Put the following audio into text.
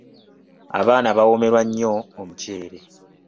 Abaana bawoomerwa nnyo omuceere.